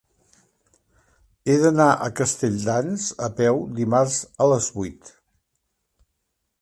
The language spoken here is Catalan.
He d'anar a Castelldans a peu dimarts a les vuit.